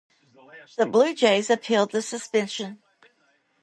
The Blue Jays appealed the suspension.